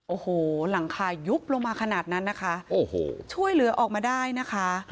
โอ้โหหลังคายุบลงมาขนาดนั้นนะคะโอ้โหช่วยเหลือออกมาได้นะคะ